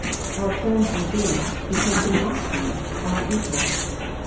Our friends will be, be cause they must be, our equals.